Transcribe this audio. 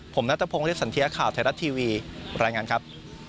ผมณตพงธ์ที่สัญเทียข่าวไทยรัฐทีวีบรรยายงานครับ